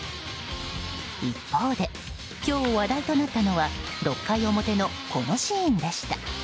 一方で、今日話題となったのは６回表のこのシーンでした。